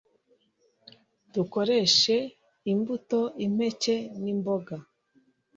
dukoresha imbuto, impeke, n’imboga